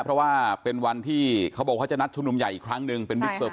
เพราะว่าเป็นวันที่เค้าบอกเค้าจะนัดชุมนุมใหญ่อีกครั้งนึง